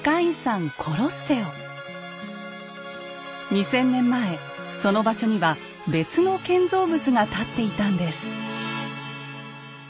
２，０００年前その場所には別の建造物が立っていたんです。